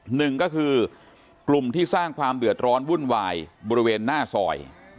หนึ่งก็คือกลุ่มที่สร้างความเดือดร้อนวุ่นวายบริเวณหน้าซอย